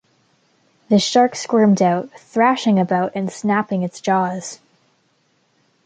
The shark squirmed out, thrashing about and snapping its jaws.